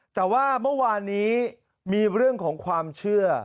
แต่ว่าเมื่อวานนี้มีเรื่องของความเชื่อ